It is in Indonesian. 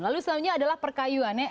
lalu selanjutnya adalah perkayuannya